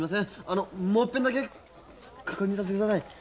あのもういっぺんだけ確認させて下さい。